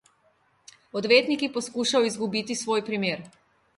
Odvetnik je poskušal izgubiti svoj primer.